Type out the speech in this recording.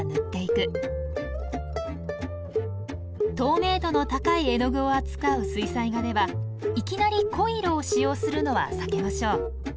透明度の高い絵の具を扱う水彩画ではいきなり濃い色を使用するのは避けましょう。